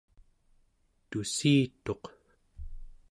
tussituq